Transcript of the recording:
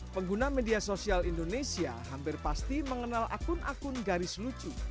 pengguna media sosial indonesia hampir pasti mengenal akun akun garis lucu